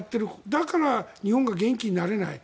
だから日本が元気になれない。